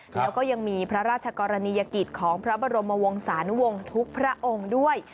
แล้วก็ยังมีพระราชกรณียกิจของพระบรมวงศานุวงศ์ทุกพระองค์ด้วย